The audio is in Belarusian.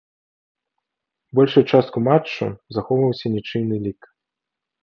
Большую частку матчу захоўваўся нічыйны лік.